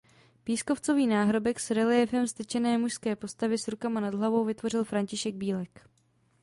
Pískovcový náhrobek s reliéfem vztyčené mužské postavy s rukama nad hlavou vytvořil František Bílek.